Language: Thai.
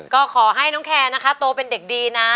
ก็ขอให้น้องแคร์นะคะโตเป็นเด็กดีนะ